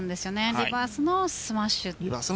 リバースのスマッシュ。